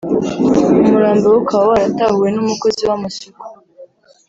umurambo we ukaba waratahuwe n’umukozi w’amasuku